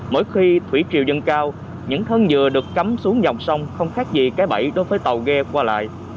mỗi khi thủy triều dâng cao những thân dừa được cắm xuống dòng sông không khác gì cái bẫy đối với tàu ghe qua lại